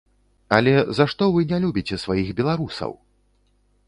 Але за што вы не любіце сваіх беларусаў?!